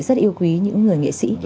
rất yêu quý những người nghệ sĩ